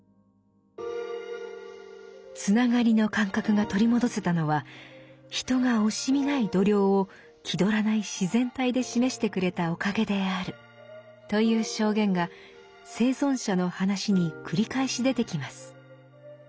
つながりの感覚が取り戻せたのは人が惜しみない度量を気取らない自然体で示してくれたおかげであるという証言が生存者の話に繰り返し出てきます。